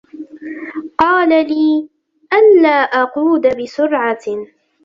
قال لي ألا أقود بسرعة.